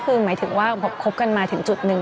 คือหมายถึงว่าคบกันมาถึงจุดหนึ่ง